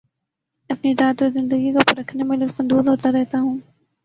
اپنی ذات اور زندگی کو پرکھنے میں لطف اندوز ہوتا رہتا ہوں